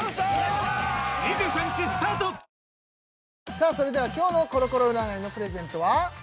さあそれでは今日のコロコロ占いのプレゼントは？